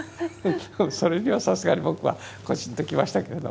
それにはさすがに僕はコチンと来ましたけれども。